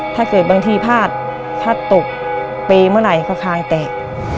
ถ้าเกิดบางทีพลาดพลาดตกเปเมื่อไหร่ก็ค้างแตะ